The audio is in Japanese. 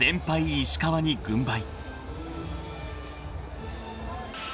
石川に軍配］